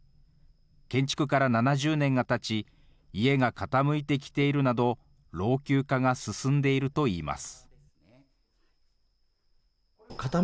建築から７０年がたち、家が傾いてきているなど、老朽化が進んでいるといいます。